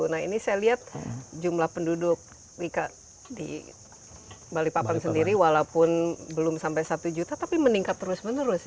nah ini saya lihat jumlah penduduk di balikpapan sendiri walaupun belum sampai satu juta tapi meningkat terus menerus